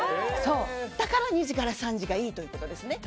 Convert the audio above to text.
だから２時から３時がいいということですね。